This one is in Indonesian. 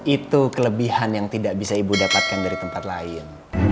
itu kelebihan yang tidak bisa ibu dapatkan dari tempat lain